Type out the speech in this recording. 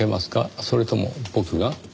それとも僕が？